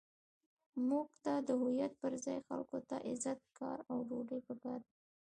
موږ ته د هویت پر ځای خلکو ته عزت، کار، او ډوډۍ پکار ده.